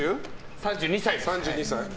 ３２歳ですね。